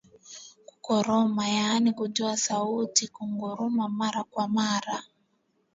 Kukoroma yaani kutoa sauti ya kunguruma mara kwa mara